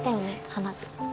花火。